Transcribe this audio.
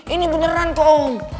ini beneran kok om